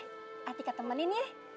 nanti atika temenin ya